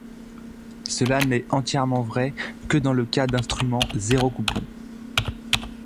Cela n'est entièrement vrai que dans le cas d'instruments zéro-coupon.